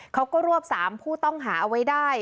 เขาก็รวบ๓ผู้ต้องหาเอาไว้ได้